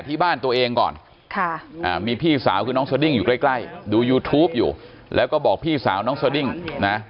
ที่บ้านตัวเองก่อนมีพี่สาวคือน้องสดิ้งอยู่ใกล้ดูยูทูปอยู่แล้วก็บอกพี่สาวน้องสดิ้งนะ